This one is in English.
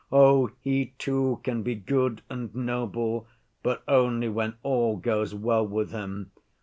Oh, he, too, can be good and noble, but only when all goes well with him.